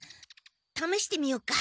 ためしてみようか。